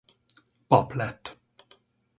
Pap lett.